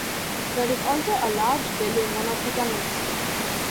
There is also a large bell in one of the tunnels.